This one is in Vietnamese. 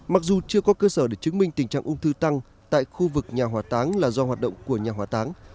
mặc dù chưa có cơ sở để chứng minh tình trạng ung thư tăng tại khu vực nhà hỏa táng là do hoạt động của nhà hỏa táng